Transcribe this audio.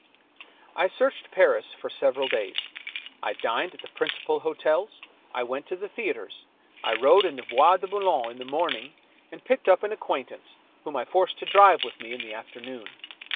I searched Paris for several days. I dined at the prin cipal hotels ; I went to the theaters ; I rode in the Bois de Boulogne in the morning, and picked up an acquaintance, whom I forced to drive with me in the afternoon.